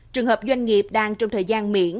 trường hợp doanh nghiệp đang trong thời gian miễn